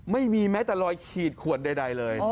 ไม่มีแม้แต่รอยขีดขวดใดเลย